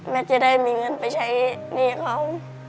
จะได้มีเงินไปใช้หนี้เขา